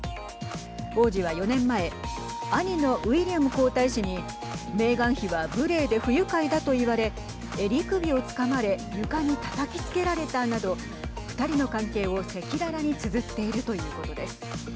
王子は４年前兄のウィリアム皇太子にメーガン妃は無礼で不愉快だと言われえり首をつかまれ床にたたきつけられたなど２人の関係を赤裸々につづっているということです。